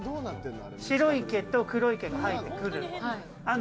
白い毛と黒い毛が生えてくる。